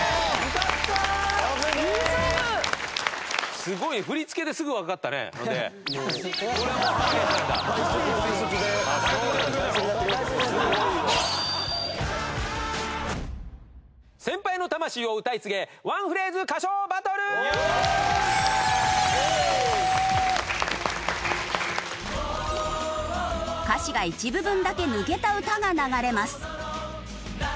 歌詞が一部分だけ抜けた歌が流れます。